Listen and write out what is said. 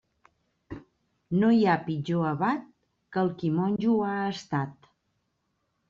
No hi ha pitjor abat que el qui monjo ha estat.